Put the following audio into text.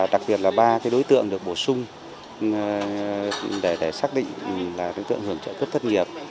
đặc biệt là ba đối tượng được bổ sung để xác định là đối tượng hưởng trợ cấp thất nghiệp